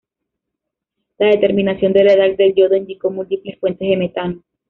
La determinación de la edad del yodo indicó múltiples fuentes de metano.